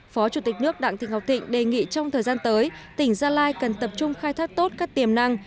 phó chủ tịch nước đặng thị ngọc thịnh đề nghị trong thời gian tới tỉnh gia lai cần tập trung khai thác tốt các tiềm năng